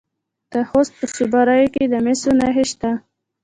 د خوست په صبریو کې د مسو نښې شته.